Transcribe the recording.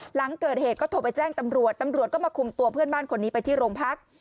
หลังเกิดเหตุก็โทรไปแจ้งตำรวจตำรวจก็มาคุมตัวเพื่อนบ้านคนนี้ไปที่โรงพัก